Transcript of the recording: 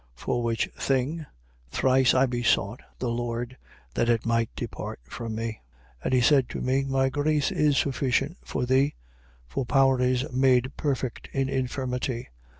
12:8. For which thing, thrice I besought the Lord that it might depart from me. 12:9. And he said to me: My grace is sufficient for thee: for power is made perfect in infirmity.